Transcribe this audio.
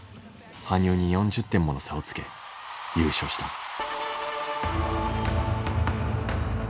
羽生に４０点もの差をつけ優勝した。